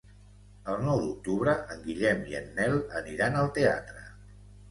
El nou d'octubre en Guillem i en Nel aniran al teatre.